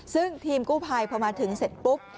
ซึ่งทีมกู้ภัยพอมาถึงเสร็จปุ๊บ